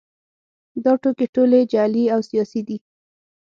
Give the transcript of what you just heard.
دا ټوکې ټولې جعلي او سیاسي دي